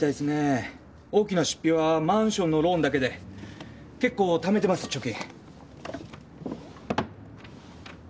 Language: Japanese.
大きな出費はマンションのローンだけで結構貯めてます貯金。